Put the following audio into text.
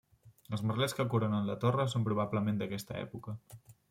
Els merlets que coronen la torre són probablement d'aquesta època.